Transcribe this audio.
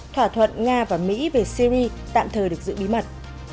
thỏa thuận nga và mỹ về syri tạm thời được giữ bí mật